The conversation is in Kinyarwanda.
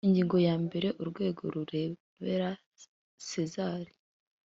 ingingo yambere urwego rureberera sezar